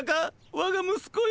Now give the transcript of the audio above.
わが息子よ。